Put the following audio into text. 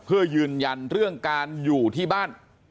เพื่อยืนยันเรื่องการอยู่ที่บ้าน